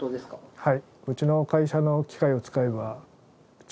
はい。